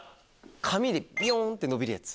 紙でビヨンって伸びるやつ。